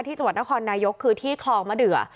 จังหวัดนครนายกคือที่คลองมะเดือ